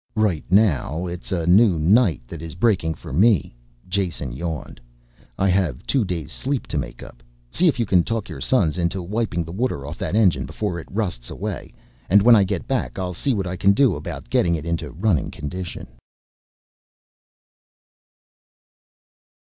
"Right now it is a new night that is breaking for me," Jason yawned. "I have two days sleep to make up. See if you can talk your sons into wiping the water off that engine before it rusts away, and when I get back I'll see what I can do about getting it into running condition."